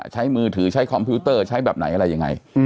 ใช้มือถือใช้คอมพิวเตอร์ใช้แบบไหนอะไรยังไง